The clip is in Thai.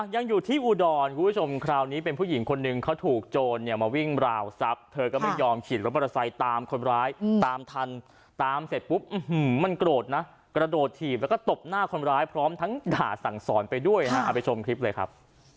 ยังอยู่ที่อุดรคุณผู้ชมคราวนี้เป็นผู้หญิงคนหนึ่งเขาถูกโจรเนี่ยมาวิ่งราวทรัพย์เธอก็ไม่ยอมขี่รถมอเตอร์ไซค์ตามคนร้ายตามทันตามเสร็จปุ๊บมันโกรธนะกระโดดถีบแล้วก็ตบหน้าคนร้ายพร้อมทั้งด่าสั่งสอนไปด้วยฮะเอาไปชมคลิปเลยครับ